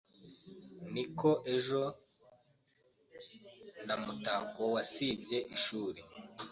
Nzi ko ejo na Mutako wasibye ishuri.